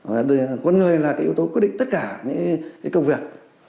và con người là cái yếu tố quyết định tất cả những công việc